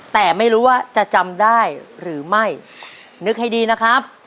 แต่ไม่รู้ว่าจะจำได้หรือไม่นึกให้ดีนะครับ